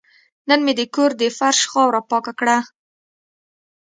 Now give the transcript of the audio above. نن مې د کور د فرش خاوره پاکه کړه.